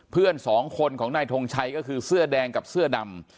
เพื่อนสองคนของนายทงชัยก็คือเสื้อแดงกับเสื้อดำ